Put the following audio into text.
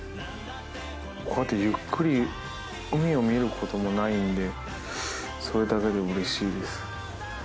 こうやってゆっくり海を見ることもないんでそれだけでうれしいです。